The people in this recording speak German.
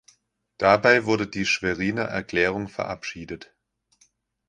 Dabei wurde die "Schweriner Erklärung" verabschiedet.